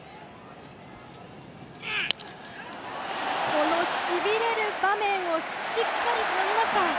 このしびれる場面をしっかりしのぎました。